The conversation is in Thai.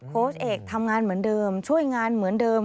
โค้ชเอกทำงานเหมือนเดิมช่วยงานเหมือนเดิม